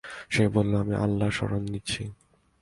সে বলল, আমি আল্লাহর শরণ নিচ্ছি।